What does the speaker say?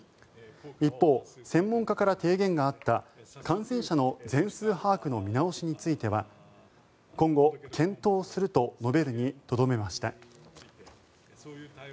一方、専門家から提言があった感染者の全数把握の見直しについては今後検討すると述べるにとどめました。